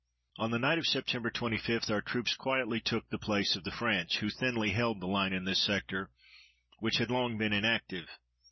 On the night of Sept. 25 our troops quietly took the place of the French, who thinly held the line in this sector, which had long been inactive.